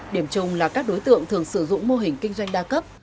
điểm chung là các đối tượng thường sử dụng mô hình kinh doanh đa cấp